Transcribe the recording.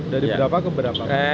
dari berapa ke berapa